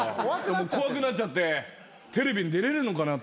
怖くなっちゃってテレビに出れるのかなっていう。